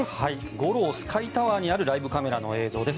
五老スカイタワーにあるライブカメラの映像です。